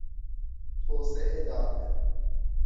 توسعه داد